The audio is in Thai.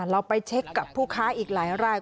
เราไปเช็คกับผู้ค้าอีกหลายราย